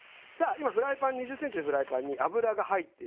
今フライパンに２０ｃｍのフライパンに油が入っています。